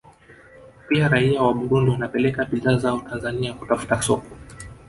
Pia raia wa Burundi wanapeleka bidhaa zao Tanzania kutafuta soko